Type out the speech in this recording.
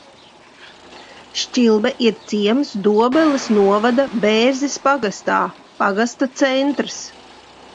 Šķibe ir ciems Dobeles novada Bērzes pagastā, pagasta centrs.